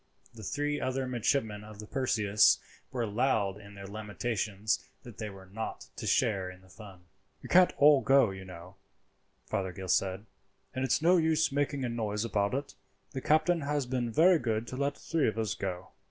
The three other midshipmen of the Perseus were loud in their lamentations that they were not to share in the fun. "You can't all go, you know," Fothergill said, "and it's no use making a noise about it; the captain has been very good to let three of us go."